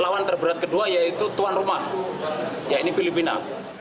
lawan terberat kedua yaitu tuan rumah yaitu filipina